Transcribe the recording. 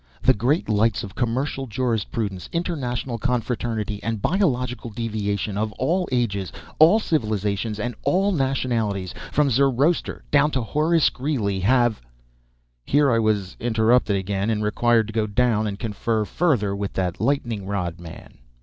The great lights of commercial jurisprudence, international confraternity, and biological deviation, of all ages, all civilizations, and all nationalities, from Zoroaster down to Horace Greeley, have [Here I was interrupted again, and required to go down and confer further with that lightning rod man.